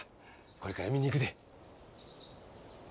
これから見に行くで。